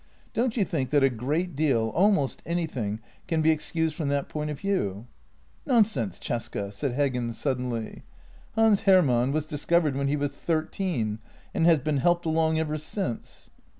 Don't you think that a great deal — almost anything — can be excused from that point of view? "" Nonsense, Cesca," said Heggen suddenly. " Hans Her mann was discovered when he was thirteen, and has been helped along ever since."